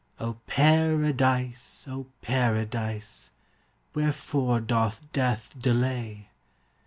O Paradise, O Paradise, Wherefore doth death delay?